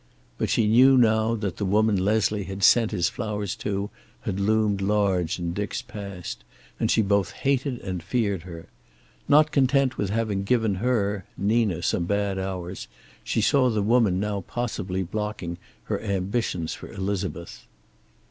But she knew now that the woman Leslie had sent his flowers to had loomed large in Dick's past, and she both hated and feared her. Not content with having given her, Nina, some bad hours, she saw the woman now possibly blocking her ambitions for Elizabeth.